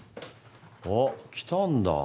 おっ来たんだ？